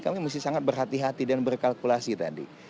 kami mesti sangat berhati hati dan berkalkulasi tadi